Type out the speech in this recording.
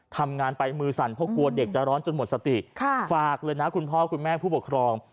ทำงานไปมือสั่นเพราะกลัวเด็กจะร้อนจนหมดสติฝากเลยนะคุณพ่อคุณแม่ผู้ปกครอง